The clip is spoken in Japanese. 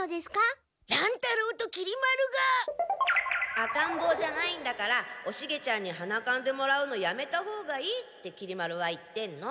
赤んぼうじゃないんだからおシゲちゃんにはなかんでもらうのやめたほうがいいってきり丸は言ってんの。